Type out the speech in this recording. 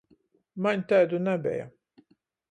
Maņ taidu nabeja.